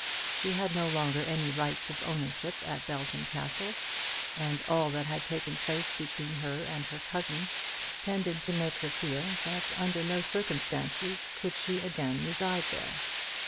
She had no longer any rights of ownership at Belton Castle, and all that had taken place between her and her cousin tended to make her feel that under no circumstances could she again reside there.